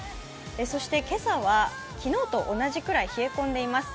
そして今朝は昨日と同じくらい冷え込んでいます。